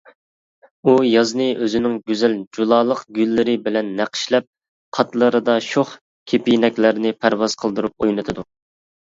ئۇ يازنى ئۆزىنىڭ گۈزەل جۇلالىق گۈللىرى بىلەن نەقىشلەپ، قاتلىرىدا شوخ كېپىنەكلەرنى پەرۋاز قىلدۇرۇپ ئوينىتىدۇ.